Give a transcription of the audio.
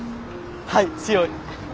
はい強い。